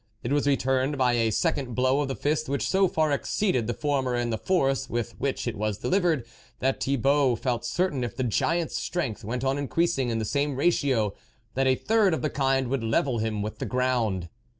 It was returned by a second blow of the fist which so far exceeded the former in the force with which it was delivered, that Thibault felt certain if the giant's strength went on increasing in the same ratio, that a third of the kind would level him with the ground.